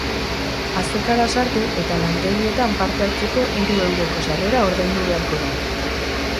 Azokara sartu eta lantegietan parte hartzeko hiru euroko sarrera ordaindu beharko da.